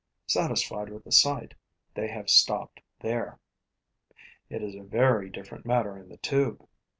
Satisfied with the site, they have stopped there. It is a very different matter in the tube.